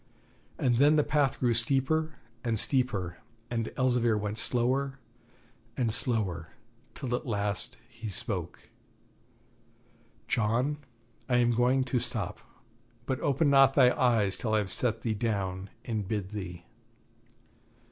And then the path grew steeper and steeper, and Elzevir went slower and slower, till at last he spoke: 'John, I am going to stop; but open not thy eyes till I have set thee down and bid thee.'